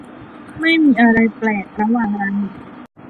ไม่มีอะไรแปลกระหว่างเรา